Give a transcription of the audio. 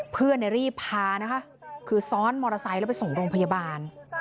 เพื่อนรีบพานะคะคือซ้อนมอเตอร์ไซค์แล้วไปส่งโรงพยาบาล